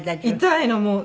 痛いのもう。